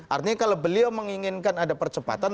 artinya kalau beliau menginginkan ada percepatan